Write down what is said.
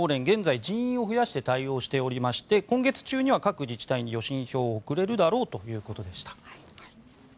現在は人員を増やして対応しておりまして今月中には各自治体に予診票を送れるだろうということでした。